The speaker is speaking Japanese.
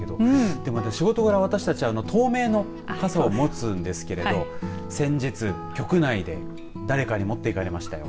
でも仕事柄、私たち透明の傘を持つんですけれど先日、局内で誰かに持って行かれましたよ。